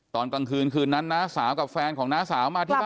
ตอนกลางคืนคืนนั้นน้าสาวกับแฟนของน้าสาวมาที่บ้าน